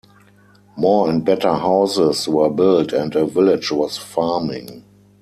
More and better houses were built and a village was farming.